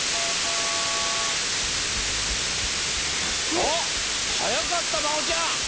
あっはやかったまほちゃん。